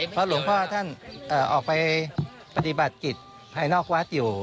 เพราะหลวงพ่อท่านออกไปปฏิบัติกิจภายนอกวัดอยู่